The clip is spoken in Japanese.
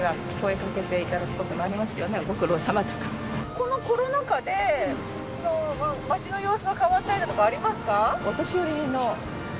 このコロナ禍で街の様子が変わったりだとかありますか？